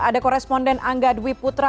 ada koresponden angga dwi putra